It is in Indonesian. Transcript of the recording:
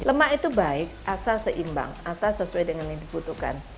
lemak itu baik asal seimbang asal sesuai dengan yang dibutuhkan